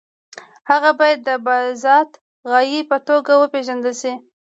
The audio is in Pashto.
هغه باید د بالذات غایې په توګه وپېژندل شي.